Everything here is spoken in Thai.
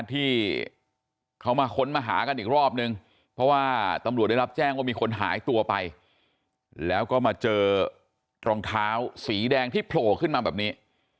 ที่เขามาค้นมาหากันอีกรอบนึงเพราะว่าตำรวจได้รับแจ้งว่ามีคนหายตัวไปแล้วก็มาเจอรองเท้าสีแดงที่โผล่ขึ้นมาแบบนี้